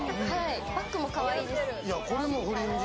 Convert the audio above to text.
バッグもかわいいです。